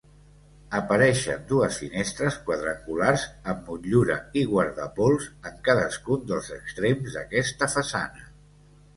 Apareixen dues finestres quadrangulars amb motllura i guardapols en cadascun dels extrems d'aquesta façana.